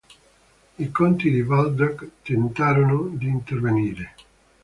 I conti di Waldeck tentarono di intervenire.